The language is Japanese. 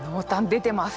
出てます